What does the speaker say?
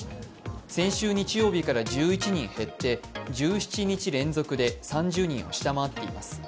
先週日曜日から１１人減って１７日連続で３０人を下回っています。